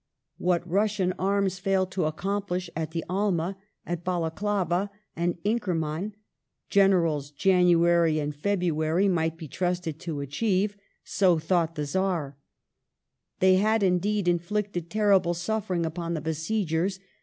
What 244 WAR AND PEACE [1855 Russian arms failed to accomplish at the Alma, at Balaclava, and Inker man, " Generals January and February " might lie trusted to achieve. So thought the Czar. They had indeed inflicted terrible suffering upon the besiegers.